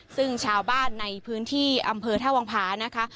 ซึ่งชาวบ้านในพื้นที่อำเภอท่าวังผานะคะ